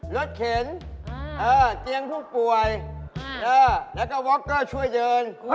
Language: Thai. รถเข็นเตียงผู้ป่วยแล้วก็ว็อกเกอร์ช่วยเดิน